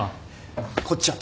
こっちは虎。